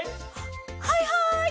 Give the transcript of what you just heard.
はいはい！